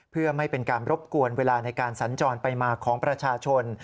เพื่อไม่เป็นการรบกวนเวลาในการสัญจรไปมาของประชาชน